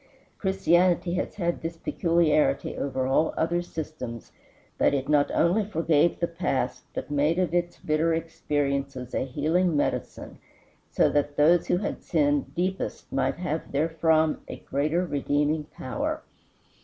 Christianity had this peculiarity over all other systems, that it not only forgave the past, but made of its bitter experiences a healing medicine; so that those who had sinned deepest might have therefrom a greater redeeming power.